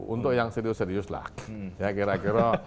untuk yang serius serius lah ya kira kira